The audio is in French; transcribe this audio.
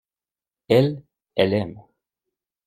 Elle, elle aime.